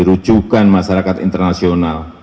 rujukan masyarakat internasional